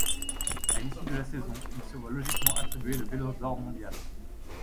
À l'issue de la saison, il se voit logiquement attribuer le Vélo d'Or mondial.